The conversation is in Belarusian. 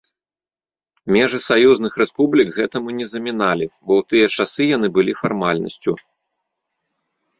Межы саюзных рэспублік гэтаму не заміналі, бо ў тыя часы яны былі фармальнасцю.